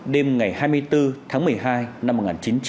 đêm ngày hai mươi bốn tháng một mươi hai